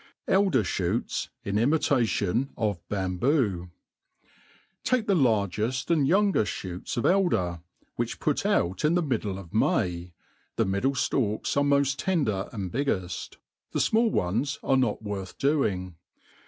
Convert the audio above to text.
Elder.'ShootSy in imitation of Bamho* TAKE «he largeft and yoangeft fbooCsof eld^r, .which |)Ut ^out ki the middle of May, tbexniddie Aalks af<e oagft teiidor and higgell ; the fmall ooes are aot worth doing.